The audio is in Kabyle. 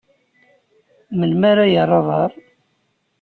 Melmi ara yerr aḍar?